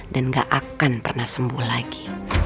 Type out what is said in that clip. dan gak akan pernah sembuh lagi